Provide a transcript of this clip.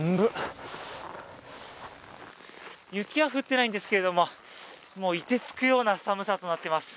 雪は降ってないんですけれども、凍てつくような寒さとなっています。